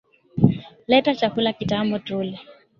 Leta chakula kitamu tule